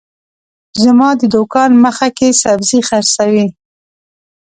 زما د دوکان مخه کي سبزي حرڅوي